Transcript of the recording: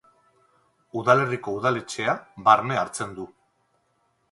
Udalerriko udaletxea barne hartzen du.